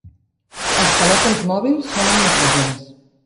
Els telèfons mòbils són omnipresents.